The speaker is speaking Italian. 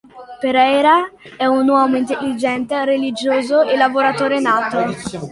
Pereira è un uomo intelligente, religioso e lavoratore nato.